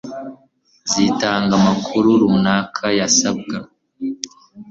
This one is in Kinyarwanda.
Zitanga amakuru runaka yasabwa